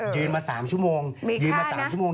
ยืนมา๓ชั่วโมง